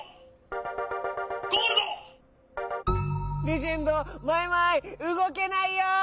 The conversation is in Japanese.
レジェンドマイマイうごけないよ！